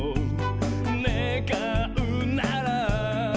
「ねがうなら」